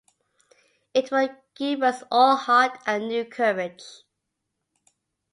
It will give us all heart and new courage.